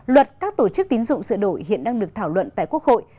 luật các tổ chức tiến dụng sự đổi hiện đang được thảo luận tại quốc hội